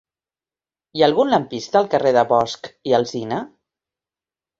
Hi ha algun lampista al carrer de Bosch i Alsina?